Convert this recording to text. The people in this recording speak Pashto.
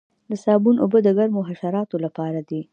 د صابون اوبه د کومو حشراتو لپاره دي؟